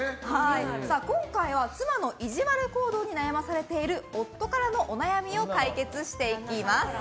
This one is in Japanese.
今回は妻のイジワル行動に悩まされている夫からのお悩みを解決していきます。